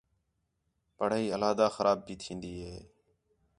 پڑھائی علیحدہ خراب پئی تِھین٘دی ہِے